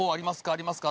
ありますか？